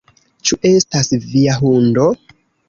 "Ĉu estas via hundo?"